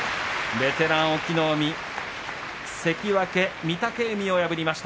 ベテラン隠岐の海関脇御嶽海を破りました。